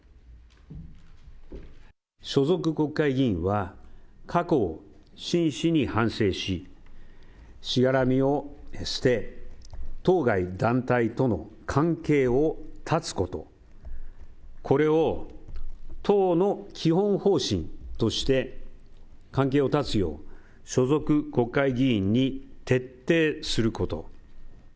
所属国会議員は、過去を真摯に反省し、しがらみを捨て、当該団体との関係を断つこと、これを党の基本方針として関係を断つよう、所属国会議員に徹底すること。